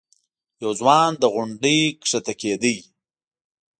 یو ځوان له غونډۍ ښکته کېده.